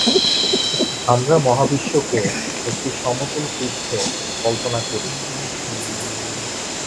আমরা মহাবিশ্বকে একটি সমতল পৃষ্ঠে কল্পনা করি।